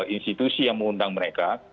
institusi yang mengundang mereka